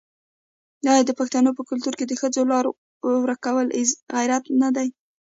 آیا د پښتنو په کلتور کې د ښځو لار ورکول غیرت نه دی؟